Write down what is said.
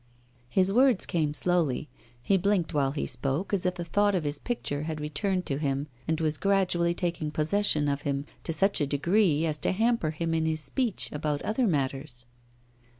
His words came slowly; he blinked while he spoke as if the thought of his picture had returned to him and was gradually taking possession of him, to such a degree as to hamper him in his speech about other matters.